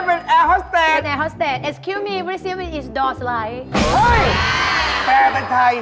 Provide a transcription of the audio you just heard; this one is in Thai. เจ๊เป็นแอร์ฮอตเตท